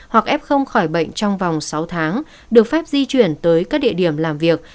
hoặc ép không khỏi bệnh trong vòng sáu tháng được phép di chuyển tới các địa điểm làm việc